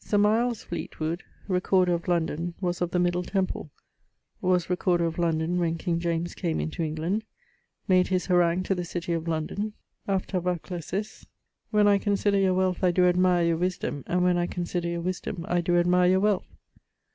Sir Miles Fleetwood, Recorder of London, was of the Middle Temple; was Recorder of London, when King James came into England; made his harangue to the City of London (ἀντανάκλασις), 'When I consider your wealth I doe admire your wisdome, and when I consider your wisdome I doe admire your wealth.'